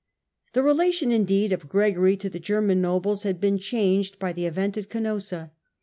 ^ The relation indeed of Gregory to the German nobles had been changed by the event at Canossa.